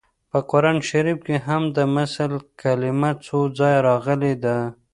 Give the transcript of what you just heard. په قران شریف کې هم د مثل کلمه څو ځایه راغلې ده